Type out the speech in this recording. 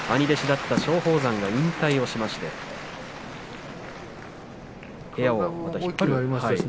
兄弟子だった松鳳山が引退しまして部屋を引っ張る。